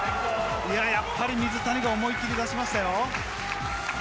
やっぱり水谷思い切り出しましたよ。